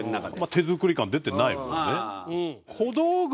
手作り感出てないもんね。